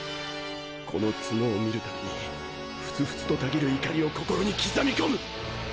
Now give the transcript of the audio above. この角を見るたびにふつふつと滾る怒りを心に刻み込むっ！！